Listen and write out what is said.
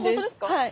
はい。